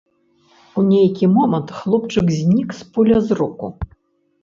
У нейкі момант хлопчык знік з поля зроку.